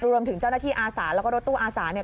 รวมถึงเจ้าหน้าที่อาสาแล้วก็รถตู้อาสาเนี่ย